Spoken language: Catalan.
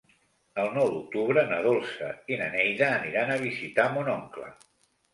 El nou d'octubre na Dolça i na Neida aniran a visitar mon oncle.